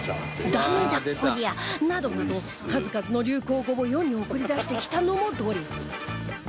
「だめだこりゃ」などなど数々の流行語を世に送り出してきたのもドリフ